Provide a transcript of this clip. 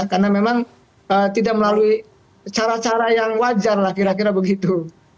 karena memang tidak melalui cara cara yang wajar lah kira kira begitu